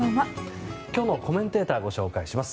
今日のコメンテーターご紹介します。